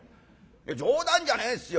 冗談じゃねえっすよ。